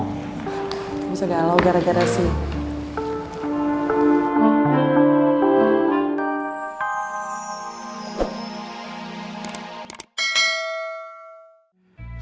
gak bisa galau gara gara sih